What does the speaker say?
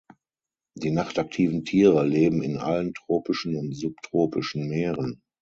Die nachtaktiven Tiere leben in allen tropischen und subtropischen Meeren.